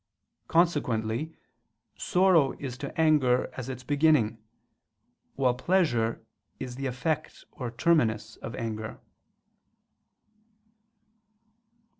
Consequently sorrow is to anger as its beginning; while pleasure is the effect or terminus of anger.